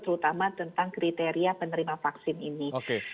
terutama tentang kriteria penerima vaksin ini